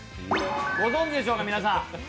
ご存じでしょうか、皆さん。